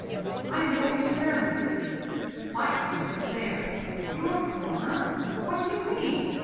I am going to prayer meeting; my 'corner' is there." "Your 'corner'! What do you mean?"